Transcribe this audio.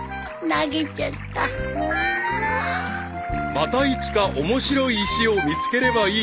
［またいつか面白い石を見つければいい］